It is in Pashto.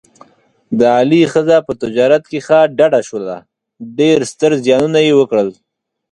د علي ښځه په تجارت کې ښه ډډه شوله، ډېر ستر زیانونه یې وکړل.